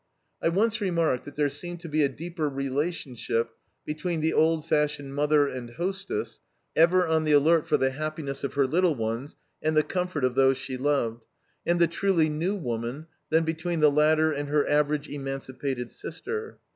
I once remarked that there seemed to be a deeper relationship between the old fashioned mother and hostess, ever on the alert for the happiness of her little ones and the comfort of those she loved, and the truly new woman, than between the latter and her average emancipated sister.